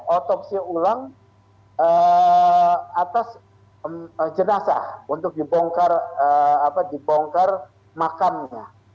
otopsi ulang atas jenazah untuk dibongkar makamnya